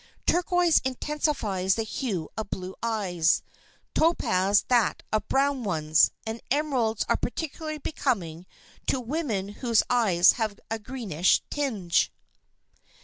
Turquoise intensifies the hue of blue eyes, topaz that of brown ones, and emeralds are particularly becoming to women whose eyes have a greenish tinge.